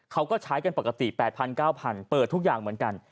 เขาก็ใช้กันปกติ๘๐๐๙๐๐เปิดทุกอย่างเหมือนกัน